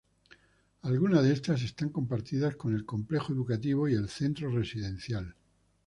Algunas de estas están compartidas con el Complejo Educativo y el Centro Residencial.